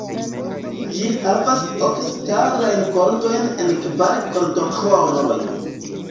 Ĝi havas ok ŝtalajn kordojn en kvar kordoĥoroj.